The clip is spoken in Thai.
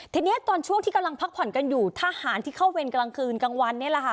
ทีนี้ตอนช่วงที่กำลังพักผ่อนกันอยู่ทหารที่เข้าเวรกลางคืนกลางวันนี่แหละค่ะ